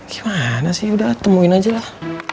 gimana sih udah temuin aja lah